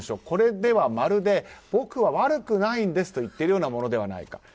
これはまるで僕は悪くないんですと言っているようなものではないか。